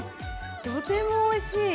とてもおいしい！